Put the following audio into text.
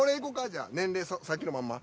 じゃあ年齢さっきのまんま？